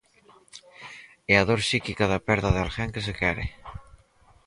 E a dor psíquica da perda de alguén que se quere.